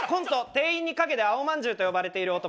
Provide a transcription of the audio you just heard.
「店員に陰で青まんじゅうとよばれている男」